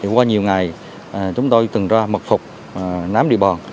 qua nhiều ngày chúng tôi từng ra mật phục nắm địa bàn